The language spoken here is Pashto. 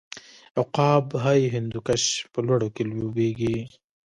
عقاب های هندوکش په لوړو کې لوبیږي.